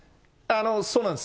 そうなんです。